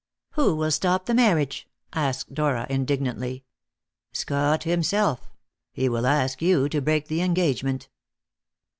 "Who will stop the marriage?" asked Dora indignantly. "Scott himself. He will ask you to break the engagement."